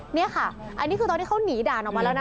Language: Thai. นี่ค่ะอันนี้คือตอนที่เขาหนีด่านออกมาแล้วนะ